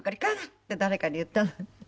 って誰かに言ったの。